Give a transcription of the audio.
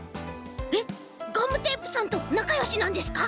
えっガムテープさんとなかよしなんですか？